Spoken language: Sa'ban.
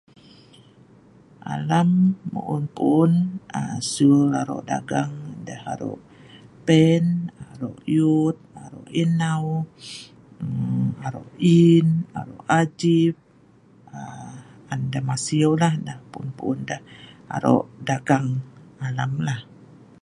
Alam puun-puun aa sul aro' dagang deh aro' pen, aro' yut, aro' inau, aro' in, aro' ajip, aaa an deh masiulah, nah puun-puun deh aro' dagang alam lah